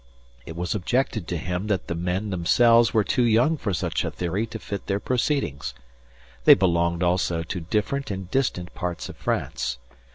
It was objected to him that the men themselves were too young for such a theory to fit their proceedings. They belonged also to different and distant parts of France.